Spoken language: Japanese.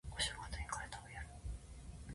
お正月にかるたをやる